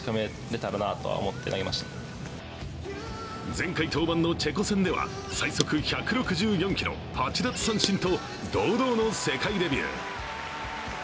前回登板のチェコ戦では最速１６４キロ、８奪三振と堂々の世界デビュー。